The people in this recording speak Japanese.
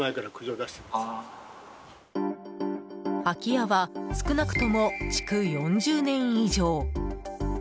空き家は少なくとも築４０年以上。